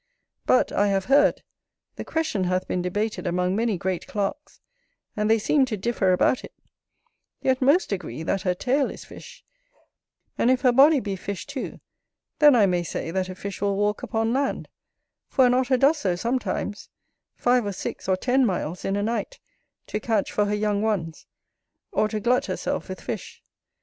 But, I have heard, the question hath been debated among many great clerks, and they seem to differ about it; yet most agree that her tail is fish: and if her body be fish too, then I may say that a fish will walk upon land: for an Otter does so sometimes, five or six or ten miles in a night, to catch for her young ones, or to glut herself with fish.